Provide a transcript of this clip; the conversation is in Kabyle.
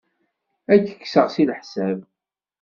Ad t-kkseɣ deg leḥsab.